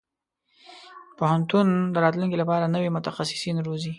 پوهنتون د راتلونکي لپاره نوي متخصصين روزي.